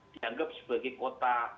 dianggap sebagai kota